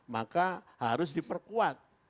maka harus diperkuat